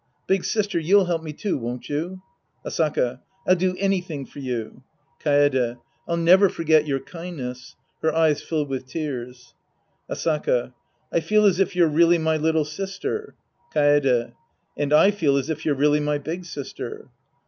Big sister, you'll help me, too, won't you? Asaka. I'll do anj^hing for you. Kaede. I'll never forget your kindness. {Her eyes fill with tears.) Asaka. I feel as if you're really my little sister. Kaede. And I feel as if you'ie really my big sister.